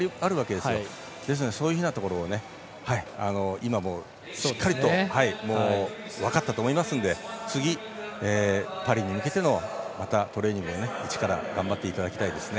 ですから、そういうところを今しっかりと分かったと思いますので次、パリに向けてのまたトレーニングを一から頑張っていただきたいですね。